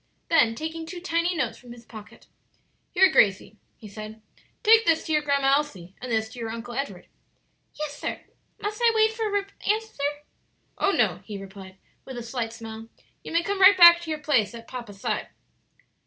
Then taking two tiny notes from his pocket: "Here, Gracie," he said, "take this to your Grandma Elsie and this to your Uncle Edward." "Yes, sir; must I wait for an answer?" "Oh, no," he replied, with a slight smile; "you may come right back to your place by papa's side."